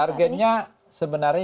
targetnya sebenarnya ya